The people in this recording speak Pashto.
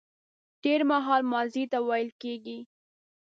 تېرمهال ماضي ته ويل کيږي